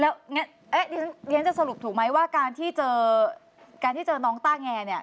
แล้วเรียนจะสรุปถูกไหมว่าการที่เจอการที่เจอน้องต้าแงเนี่ย